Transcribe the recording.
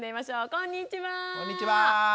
こんにちは。